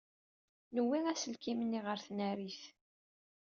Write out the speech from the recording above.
Newwi aselkim-nni ɣer tnarit.